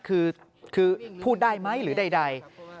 คือพูดได้ไหมหรือใด